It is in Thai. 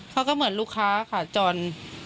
เขาก็เหมือนลูกค้าขาจร